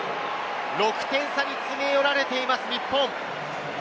６点差に詰め寄られています、日本。